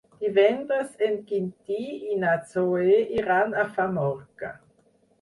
Divendres en Quintí i na Zoè iran a Famorca.